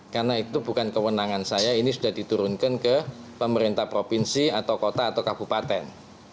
karena itu bukan kewenangan saya ini sudah diturunkan ke pemerintah provinsi atau kota atau kabupaten